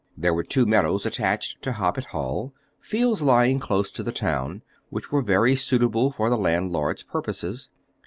There were two meadows attached to Hoppet Hall, fields lying close to the town, which were very suitable for the landlord's purposes.